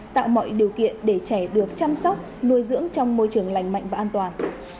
tạo mọi điều kiện để trẻ được chăm sóc nuôi dưỡng trong môi trường lành mạnh và an toàn